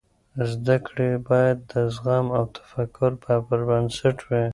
زده کړې باید د زغم او تفکر پر بنسټ وي.